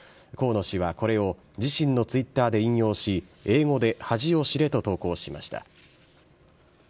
河野氏はこれを、自身のツイッターで引用し、英語で恥を知れと投稿しました。